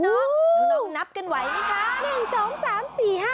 น้องนับกันไหวไหมคะ